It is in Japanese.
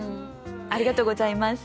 ありがとうございます。